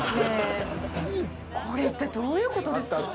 これってどういうことなんですか？